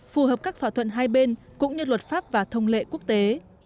phù hợp các thỏa thuận hai bên cũng như luật pháp và thông lệ quốc tế